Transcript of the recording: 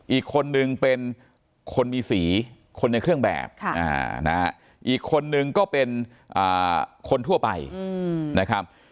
อีกคนนึงเป็นคนมีสีคนในเครื่องแบบอีกคนนึงก็เป็นคนทั่วไปนะครับ